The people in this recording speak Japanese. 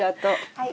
はい。